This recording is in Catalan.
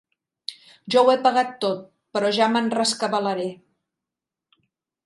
Jo ho he pagat tot, però ja me'n rescabalaré.